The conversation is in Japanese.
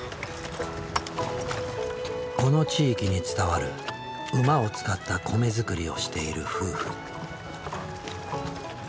この地域に伝わる馬を使った米づくりをしている夫婦。